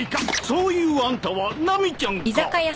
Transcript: そういうあんたは波ちゃんか。